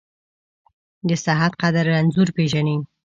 د صحت قدر رنځور پېژني.